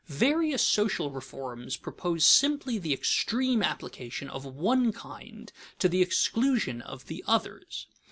_ Various social reforms propose simply the extreme application of one kind to the exclusion of the others.